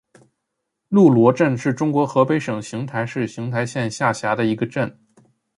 路罗镇是中国河北省邢台市邢台县下辖的一个镇。